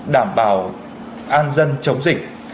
đảm bảo an dân chống dịch